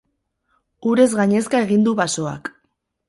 Urez gainezka egin du basoak.